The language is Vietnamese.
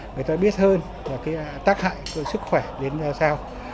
người ta biết hơn là cái tác hại của sức khỏe đến sao